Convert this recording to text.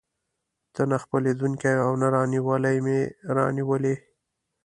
ته نه خپلېدونکی او نه رانیولى مې راونیولې.